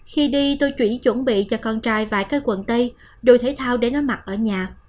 khi đi tôi chuyển chuẩn bị cho con trai vài cái quần tây đồ thể thao để nó mặc ở nhà